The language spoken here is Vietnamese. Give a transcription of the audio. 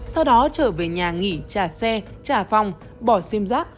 sau đó trở về nhà nghỉ trả xe trả phòng bỏ xiêm rác